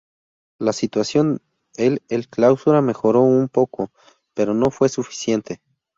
La situación el el Clausura mejoró un poco, pero no fue suficiente.